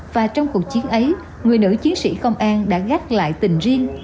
và trong cuộc chiến ấy người nữ chiến sĩ công an đã gác lại tình riêng